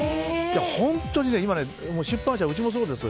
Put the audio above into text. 本当に今、出版社はうちもそうです。